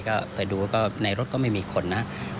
ก็ไปดูว่าในรถก็ไม่มีคนนะฮะ